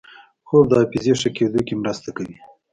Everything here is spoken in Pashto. خوب د حافظې ښه کېدو کې مرسته کوي